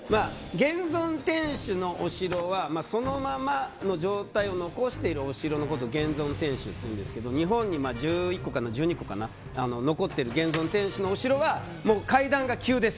現存天守のお城はそのままの状態を残しているお城のことを現存天守というんですが日本に１２個ぐらい残ってる現存天守のお城は階段が急です。